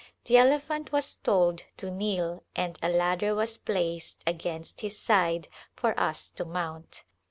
The elephant was told to kneel and a ladder was placed against his side for us to mount.